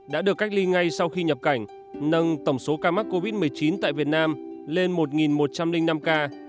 đã được cách ly ngay sau khi nhập cảnh nâng tổng số ca mắc covid một mươi chín tại việt nam lên một một trăm linh năm ca